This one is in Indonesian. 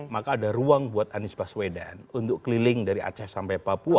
maka ada ruang buat anies baswedan untuk keliling dari aceh sampai papua